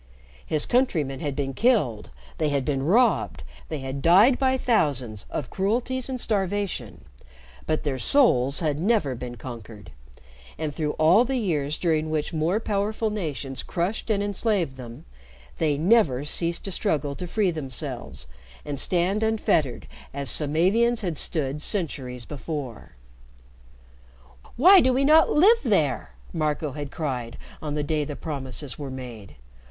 His countrymen had been killed, they had been robbed, they had died by thousands of cruelties and starvation, but their souls had never been conquered, and, through all the years during which more powerful nations crushed and enslaved them, they never ceased to struggle to free themselves and stand unfettered as Samavians had stood centuries before. "Why do we not live there," Marco had cried on the day the promises were made.